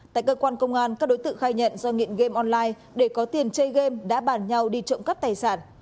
tại cơ quan công an các đối tượng khai nhận do nghiện game online để có tiền chơi game đã bàn nhau đi trộm cắp tài sản